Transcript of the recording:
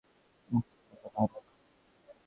উঃ এটা ভয়ানক।